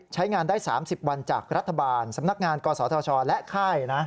ใช้งานได้๓๐วันจากรัฐบาลสำนักงานกศธชและค่าย